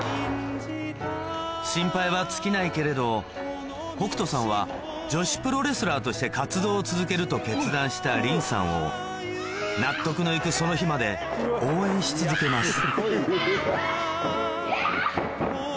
心配は尽きないけれど北斗さんは女子プロレスラーとして活動を続けると決断した凛さんを納得の行くその日まで応援し続けます